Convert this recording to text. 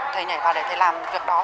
thầy nhảy vào để thầy làm việc đó